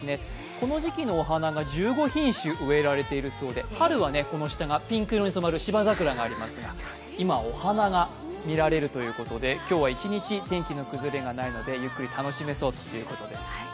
この時期のお花が１５品種植えられているそうで春はこの下がピンク色に染まる芝桜が植えられているそうですが今、お花が見られるということで今日は一日天気の崩れがないのでゆっくり楽しめそうということです。